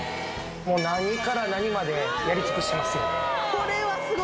もう何から何までやり尽くしてますよ